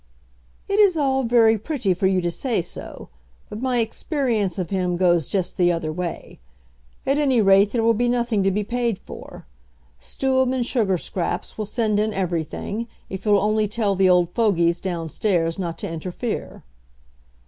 "It is all very pretty for you to say so, but my experience of him goes just the other way. At any rate there will be nothing to be paid for. Stewam and Sugarscraps will send in everything, if you'll only tell the old fogies downstairs not to interfere."